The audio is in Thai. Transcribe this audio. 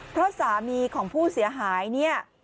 เพราะสามีของผู้เสียหาย